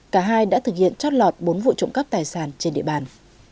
cả hai đã thực hiện chót lọt bốn vụ trộm cắp tài sản trên địa bàn